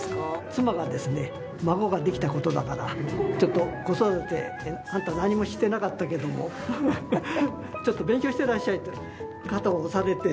妻がですね「孫ができた事だからちょっと子育てあんた何もしてなかったけどもちょっと勉強してらっしゃい」と肩を押されて。